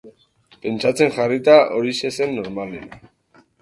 Pentsatzen jarrita, horixe zen normalena.